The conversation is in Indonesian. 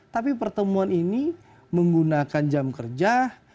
tapi pertemuan ini menggunakan jam kerja